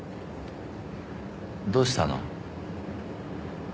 どうしたの？